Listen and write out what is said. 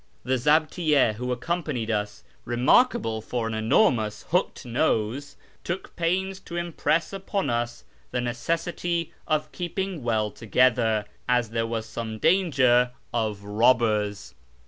The zabtiyy6 who accompanied us (remarkable for an enormous hooked nose) took pains to impress upon us the necessity of keeping well together, as there w^as some danger of robbers.